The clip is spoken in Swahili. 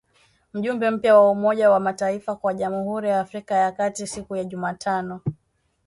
Mjumbe mpya wa Umoja wa mataifa kwa Jamhuri ya Afrika ya kati siku ya Jumatano